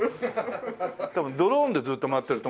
多分ドローンでずっと回ってると。